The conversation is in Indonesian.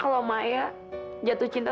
kamu akan open polisi